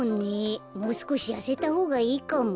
もうすこしやせたほうがいいかも。